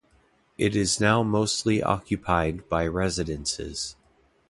It is now mostly occupied by residences.